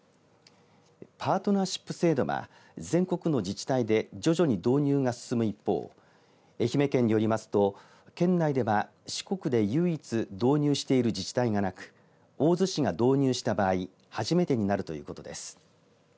パートナーシップ制度は全国の自治体で徐々に導入が進む一方愛媛県によりますと県内では四国で唯一導入している自治体がなく大洲市が導入した場合初めてになるということです。